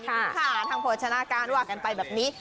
ค่ะทางโภชนาการว่ากันไปแบบนี้